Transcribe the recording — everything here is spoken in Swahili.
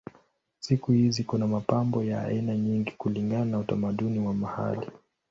Siku hizi kuna mapambo ya aina nyingi kulingana na utamaduni wa mahali.